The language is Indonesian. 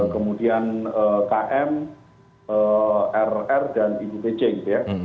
kemudian km rr dan ibpc gitu ya